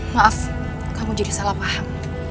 maaf kamu jadi salah paham